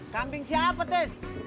kamu siapa tes